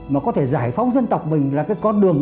mà có thể giải phóng dân tộc mình là cái con đường